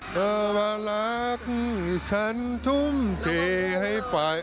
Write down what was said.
เธอมารักที่ฉันทุ่มเทให้ไป